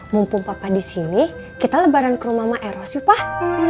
mumpung papa di sini kita lebaran ke rumah mama eros yuk pak